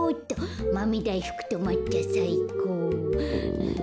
マメだいふくとまっちゃさいこう。